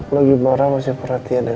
lagi marah masih perhatian ya sama saya